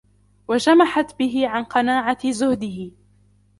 وَجَمَحَتْ بِهِ عَنْ قَنَاعَةِ زُهْدِهِ